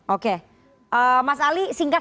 oke mas ali singkat